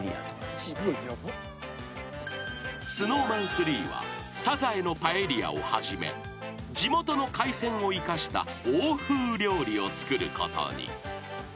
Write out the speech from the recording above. ［ＳｎｏｗＭａｎ３はサザエのパエリアをはじめ地元の海鮮を生かした欧風料理を作ることに］